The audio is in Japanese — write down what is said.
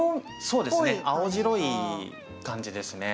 そうですね青白い感じですね。